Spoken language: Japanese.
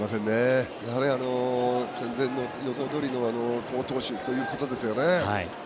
やはり戦前の予想どおりの好投手ということですよね。